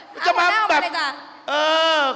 มันจะมาแบบ